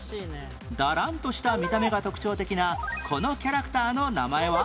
だらんとした見た目が特徴的なこのキャラクターの名前は？